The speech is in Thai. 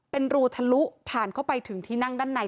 เป็นรูทะลุผ่านเข้าไปถึงที่นั่งด้านใน